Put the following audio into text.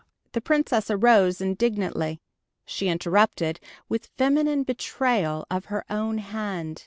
The Princess arose indignantly. She interrupted, with feminine betrayal of her own hand.